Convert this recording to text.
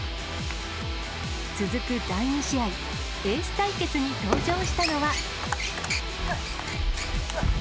続く第２試合、エース対決に登場したのは。